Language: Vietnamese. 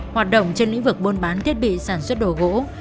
hoạt động trên lĩnh vực buôn bán thiết bị sản xuất đồ gỗ